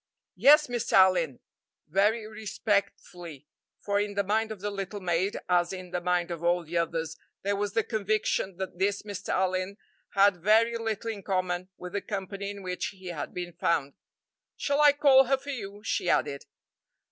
"Yes, Mr. Allyn," very respectfully, for in the mind of the little maid, as in the mind of all the others, there was the conviction that this Mr. Allyn had very little in common with the company in which he had been found. "Shall I call her for you?" she added.